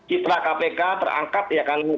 citra kpk terangkat ya kan